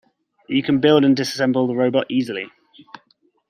You can build and disassemble the robot easily.